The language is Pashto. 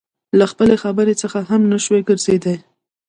له خپلې خبرې څخه هم نشوى ګرځېدى.